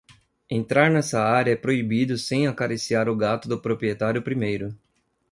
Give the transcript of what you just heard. Entrar nessa área é proibido sem acariciar o gato do proprietário primeiro.